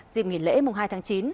dịp nghỉ lễ hai tháng chín